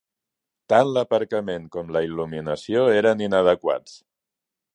Tant l'aparcament com la il·luminació eren inadequats.